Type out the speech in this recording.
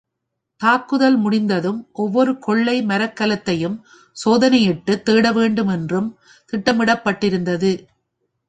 தாக்குதல் முடிந்ததும் ஒவ்வொரு கொள்ளை மரக்கலத்தையும் சோதனையிட்டுத் தேடவேண்டும் என்றும் திட்டமிடப்பட்டிருந்தது.